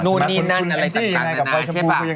นู่นนี่นั่นอะไรต่างนานาใช่ป่ะ